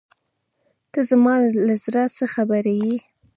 ته زما له زړۀ څه خبر یې.